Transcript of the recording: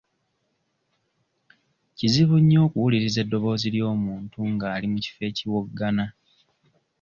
Kizibu nnyo okuwuliriza eddoboozi ly'omuntu nga ali mu kifo ekiwoggana.